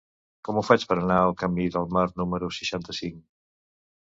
Com ho faig per anar al camí del Mar número seixanta-cinc?